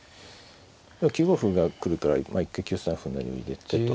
９五歩が来るから一回９三歩成を入れてと。